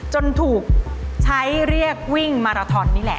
จนถูกใช้เรียกวิ่งมาราทอนนี่แหละ